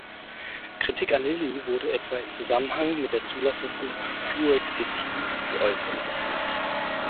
Kritik an Lilly wurde etwa in Zusammenhang mit der Zulassung von Fluoxetin geäußert.